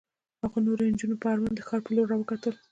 هغه نورو نجونو په ارمان د ښار په لور را وکتل.